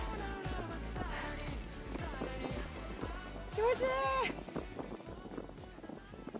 気持ちいい！